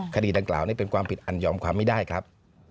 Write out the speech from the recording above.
คดีดังกล่าวนี้เป็นความผิดอันยอมความไม่ได้ครับ